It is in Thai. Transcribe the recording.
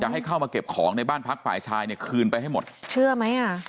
ให้เข้ามาเก็บของในบ้านพักฝ่ายชายเนี่ยคืนไปให้หมดเชื่อไหมอ่ะ